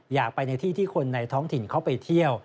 อยากไปในที่ที่คนในท้องถิ่นเข้าไปเที่ยว